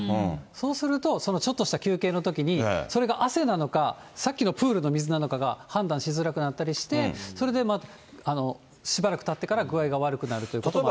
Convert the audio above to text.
そうすると、ちょっとした休憩のときに、それが汗なのか、さっきのプールの水なのかが判断しづらくなったりして、それでしばらくたってから具合が悪くなるということもあります。